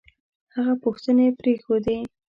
هغه پوښتنې پرېښودې